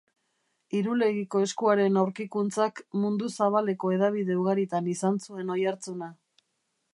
Irulegiko Eskuaren aurkikuntzak mundu zabaleko hedabide ugaritan izan zuen oihartzuna